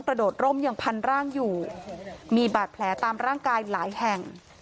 โดดร่มยังพันร่างอยู่มีบาดแผลตามร่างกายหลายแห่ง